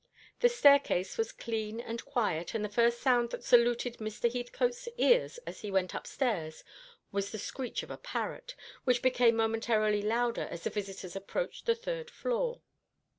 The staircase was clean and quiet, and the first sound that saluted Mr. Heathcote's ears as he went up stairs was the screech of a parrot, which became momentarily louder as the visitors approached the third floor.